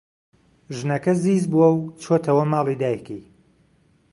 ژنەکە زیز بووە و چۆتەوە ماڵی دایکی.